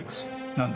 何だ？